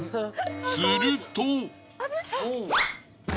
すると。